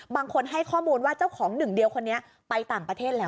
บางคนให้ข้อมูลว่าเจ้าของหนึ่งเดียวคนนี้ไปต่างประเทศแล้ว